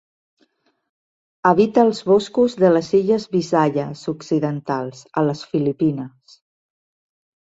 Habita els boscos de les illes Visayas occidentals, a les Filipines.